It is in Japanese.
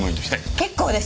結構です！